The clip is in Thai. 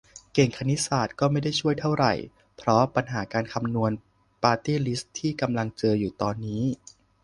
เก่งคณิตศาสตร์ก็ไม่ช่วยเท่าไร เพราะปัญหาการคำนวณปาร์ตี้ลิสต์ที่กำลังเจออยู่ตอนนี้